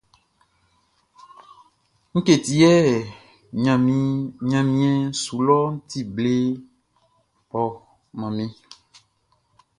Ngue ti yɛ ɲanmiɛn su lɔʼn ti ble ɔ, manmi?